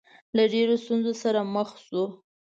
له ډېرو ستونزو سره مخ شو.